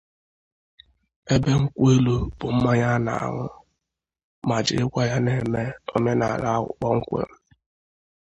ebe nkwụ elu bụ mmanya a na-añụ ma jirikwa ya na-eme omenala ahụ kpọmkwem